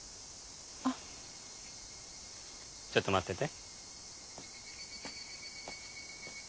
ちょっと待ってて。